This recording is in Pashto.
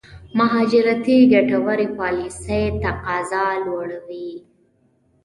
مهاجرتي ګټورې پالېسۍ تقاضا لوړوي.